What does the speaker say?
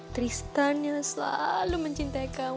tristan yang selalu mencintai kamu